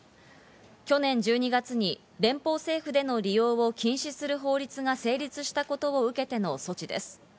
去年１２月に連邦政府での利用を禁止する法律が成立したことを受けての措置です。